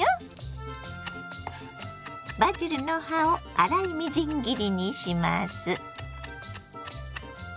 バジルの葉を粗いみじん切りにします。